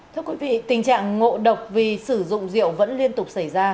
thưa quý vị tình trạng ngộ độc vì sử dụng rượu vẫn liên tục xảy ra